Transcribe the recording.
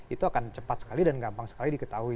itu akan cepat sekali dan gampang sekali diketahui